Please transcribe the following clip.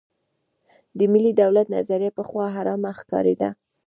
د ملي دولت نظریه پخوا حرامه ښکارېده.